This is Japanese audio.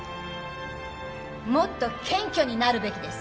もっと謙虚になるべきです。